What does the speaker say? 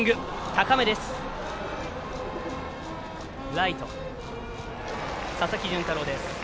ライト、佐々木純太郎です。